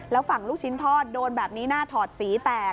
แล้วฝั่งลูกชิ้นทอดโดนแบบนี้หน้าถอดสีแตก